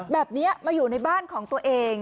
แบบนี้มาอยู่ในบ้านของตัวเอง